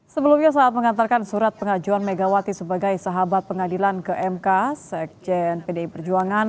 sebelumnya saat mengantarkan surat pengajuan megawati sebagai sahabat pengadilan ke mk sekjen pdi perjuangan